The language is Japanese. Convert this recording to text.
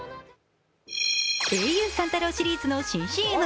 ａｕ・三太郎シリーズの新ＣＭ。